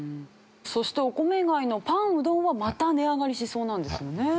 そしてお米以外のパンうどんはまた値上がりしそうなんですよね。